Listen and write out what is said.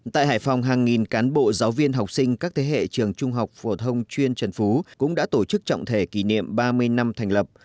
tại hải phòng hàng nghìn cán bộ giáo viên học sinh các thế hệ trường trung học phổ thông chuyên trần phú cũng đã tổ chức trọng thể kỷ niệm ba mươi năm thành lập